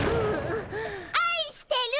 あいしてる！